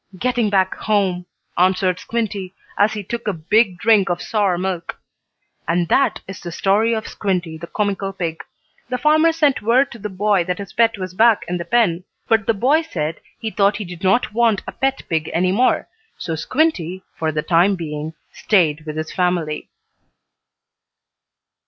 "Getting back home," answered Squinty, as he took a big drink of sour milk. And that is the story of Squinty, the comical pig. The farmer sent word to the boy that his pet was back in the pen, but the boy said he thought he did not want a pet pig any more, so Squinty, for the time being, stayed with his family.